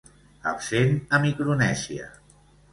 Absent a Micronèsia.